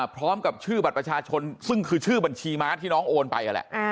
พร้อมกับชื่อบัตรประชาชนซึ่งคือชื่อบัญชีม้าที่น้องโอนไปนั่นแหละ